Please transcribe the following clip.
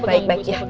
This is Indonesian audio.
baik baik ya